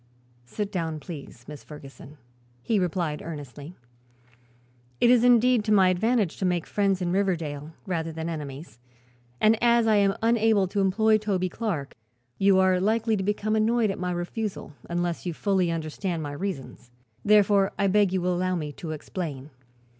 "Sit down, please, Miss Ferguson," he replied earnestly. "It is indeed to my advantage to make friends in Riverdale, rather than enemies, and as I am unable to employ Toby Clark you are likely to become annoyed by my refusal, unless you fully understand my reasons. Therefore I beg you will allow me to explain."